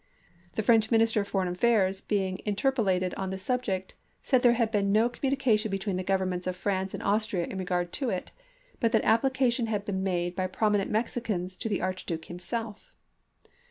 The French Minister of Foreign Affairs being interpel lated on the subject said there had been no com munication between the governments of France and Austria in regard to it, but that application had been made by prominent Mexicans to the Archduke himself.